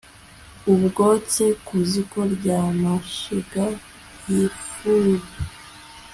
Utwotse ku ziko ryamashyiga yifuru